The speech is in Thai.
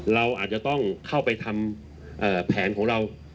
เราอาจจะต้องเข้าไปทำแผนของเรา